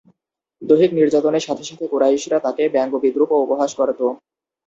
দৈহিক নির্যাতনের সাথে সাথে কুরাইশরা তাঁকে ব্যঙ্গ বিদ্রূপ ও উপহাস করতো।